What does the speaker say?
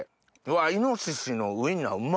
イノシシのウインナーうま！